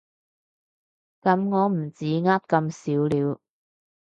噉我唔止呃咁少了